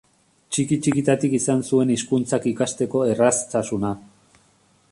Txiki-txikitatik izan zuen hizkuntzak ikasteko erraztasuna.